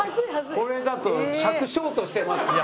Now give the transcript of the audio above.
これだと尺ショートしてますからね。